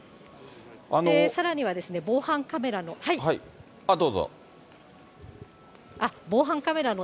さらにはですね、防犯カメラの。